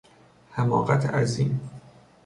حماقت عظیم